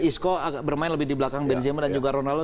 isco bermain lebih di belakang benzema dan juga ronaldo